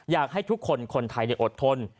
อยากให้ทุกคนคนไทยอดทน